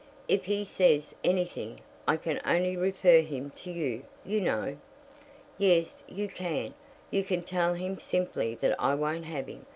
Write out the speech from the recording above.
If he says anything, I can only refer him to you, you know." "Yes, you can; you can tell him simply that I won't have him.